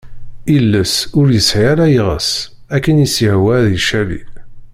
Iles ur yesɛi ara iɣes, akken i s-yehwa ad icali.